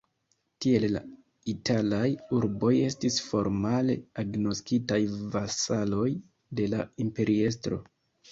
Tiel la italaj urboj estis formale agnoskitaj vasaloj de la imperiestro.